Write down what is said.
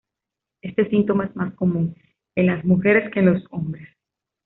Este síntoma es más común en las mujeres que en los hombres.